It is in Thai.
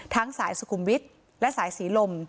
ทั้งสายสุขุมวิทย์และสายศรีลม